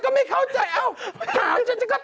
ก็ไม่เข้าใจ